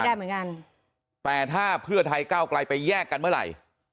ได้เหมือนกันแต่ถ้าเพื่อไทยก้าวไกลไปแยกกันเมื่อไหร่